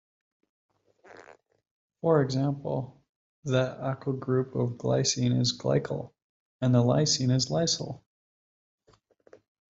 For example, the acyl group of glycine is glycyl, and of lysine is lysyl.